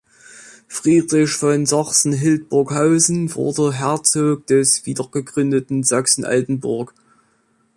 Friedrich von Sachsen-Hildburghausen wurde Herzog des wiedergegründeten Sachsen-Altenburg.